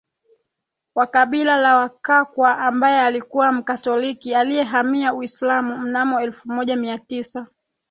wa kabila la Wakakwa ambaye alikuwa Mkatoliki aliyehamia Uislamu mnamo elfu moja Mia tisa